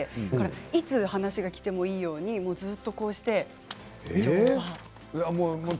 いつ話がきてもいいようにずっと乗馬。